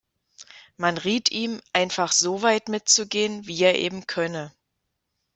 Man riet ihm, einfach so weit mitzugehen, wie er eben könne.